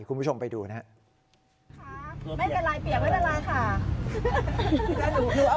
คุณผู้ชมไปดูนะครับ